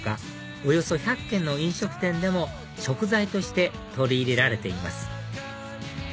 およそ１００軒の飲食店でも食材として取り入れられています